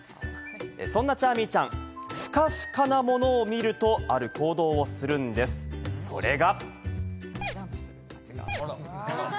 そんなチャーミーちゃん、ふかふかなものを見ると、ある行動をするんです、それが。